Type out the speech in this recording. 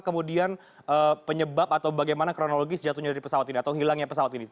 kemudian penyebab atau bagaimana kronologi sejatuhnya dari pesawat ini atau hilangnya pesawat ini